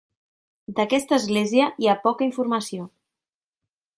D'aquesta església hi ha poca informació.